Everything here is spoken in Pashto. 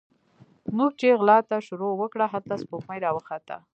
موږ چې غلا ته شروع وکړه، هلته سپوږمۍ راوخته